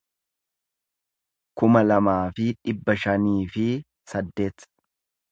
kuma lamaa fi dhibba shanii fi saddeet